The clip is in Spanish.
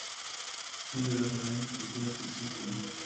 Son de las arañas más primitivas que existen.